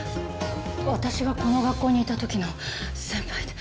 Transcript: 私がこの学校にいた時の先輩で。